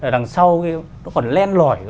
đằng sau nó còn len lỏi